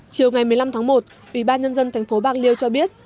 chiều ngày một mươi năm tháng một ủy ban nhân dân thành phố bạc liêu cho biết